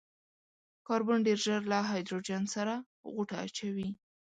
کاربن ډېر ژر له هايډروجن سره غوټه اچوي.